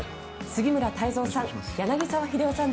杉村太蔵さん